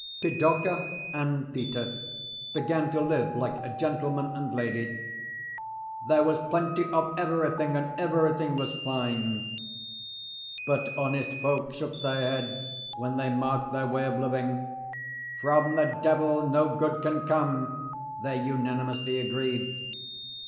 Pidorka and Peter began to live like a gentleman and lady. There was plenty of everything and everything was fine.... But honest folk shook their heads when they marked their way of living. "From the Devil no good can come," they unanimously agreed.